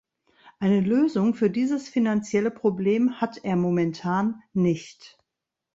Eine Lösung für dieses finanzielle Problem hat er momentan nicht.